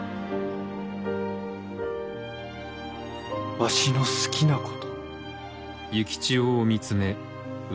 わしの好きなこと。